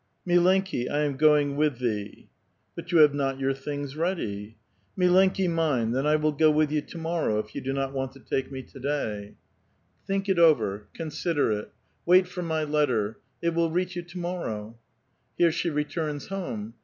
*' Milenki^ I am going with thee.' " But you have not your things ready.' " MUenki mine, then I will go with you to morrow, if you do not want to tako m(» to da}." A VITAL QUESTION. 889 " Think it over ; consider it. Wait for my letter ; it will reach you to morrow." Here she returns home.